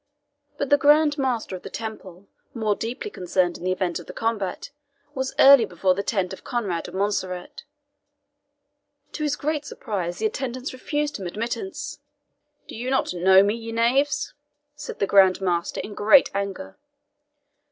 But the Grand Master of the Temple, more deeply concerned in the event of the combat, was early before the tent of Conrade of Montserrat. To his great surprise, the attendants refused him admittance. "Do you not know me, ye knaves?" said the Grand Master, in great anger.